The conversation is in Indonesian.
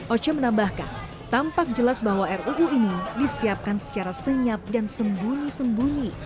oce menambahkan tampak jelas bahwa ruu ini disiapkan secara senyap dan sembunyi sembunyi